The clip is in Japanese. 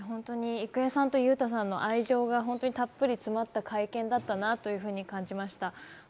郁恵さんと裕太さんの愛情がたっぷり詰まった会見だったなというふうに感じました。